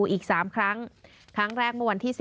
อีก๓ครั้งครั้งแรกเมื่อวันที่๔